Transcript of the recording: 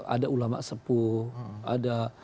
ada ulama sepuh ada